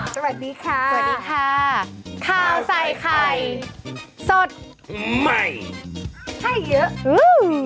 สวัสดีค่ะสวัสดีค่ะข้าวใส่ไข่สดใหม่ให้เยอะอืม